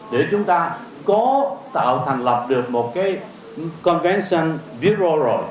để chúng ta có tạo thành lập được một cái convention bureau rồi